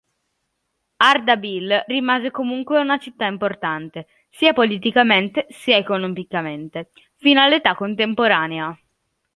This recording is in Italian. Ardabil rimase comunque una città importante, sia politicamente sia economicamente, fino all'età contemporanea.